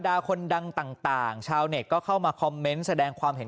คนดังต่างชาวเน็ตก็เข้ามาคอมเมนต์แสดงความเห็น